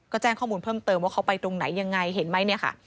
ก็แจ้งข้อมูลเพิ่มเติมว่าเขาไปตรงไหนยังไงเห็นไหมเนี่ยค่ะ